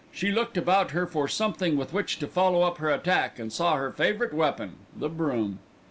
She looked about her for something with which to follow up her attack and saw her favourite weapon the broom.